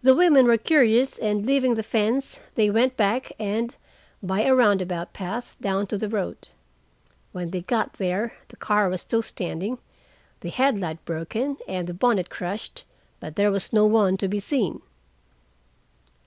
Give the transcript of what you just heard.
The women were curious, and, leaving the fence, they went back and by a roundabout path down to the road. When they got there the car was still standing, the headlight broken and the bonnet crushed, but there was no one to be seen."